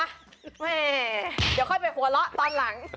แม่เดี๋ยวค่อยไปหัวเราะตอนหลัง